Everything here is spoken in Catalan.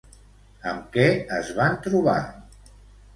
Amb què es van trobar?